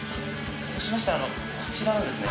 「そうしましたらこちらのですね」